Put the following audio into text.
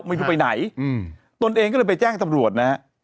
ไม่รู้ไปไหนตนเองก็เลยไปแจ้งตำรวจนะฮะ